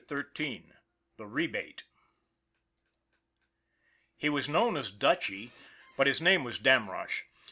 XIII THE REBATE HE was known as Dutchy, but his name was Dam rosch.